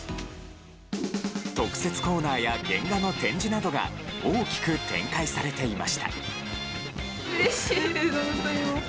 特設コーナーや原画の展示などが大きく展開されていました。